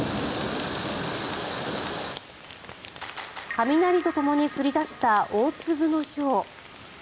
雷とともに降り出した大粒のひょう。